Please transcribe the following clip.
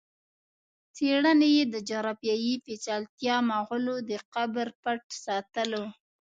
څېړني یې د جغرافیایي پېچلتیا، مغولو د قبر پټ ساتلو